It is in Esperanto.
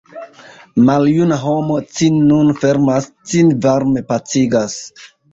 Maljuna homo cin nun fermas, cin varme pacigas.